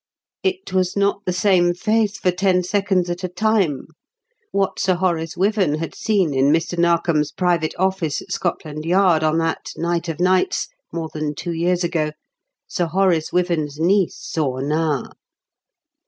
It was not the same face for ten seconds at a time. What Sir Horace Wyvern had seen in Mr. Narkom's private office at Scotland Yard on that night of nights more than two years ago, Sir Horace Wyvern's niece saw now.